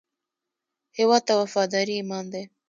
هیواد ته وفاداري ایمان دی